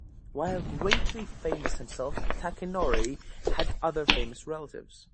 While greatly famous himself, Takenori had other famous relatives.